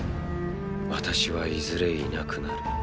私はいずれいなくなる。